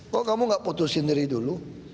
kok kamu gak putus sendiri dulu